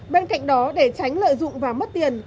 bên cạnh đó để tránh lợi dụng và mất tiền